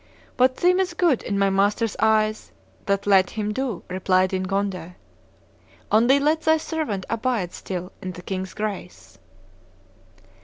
What seemeth good in my master's eyes, that let him do,' replied Ingonde: 'only let thy servant abide still in the king's grace.